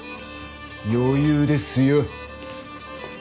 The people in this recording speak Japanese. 余裕ですよ。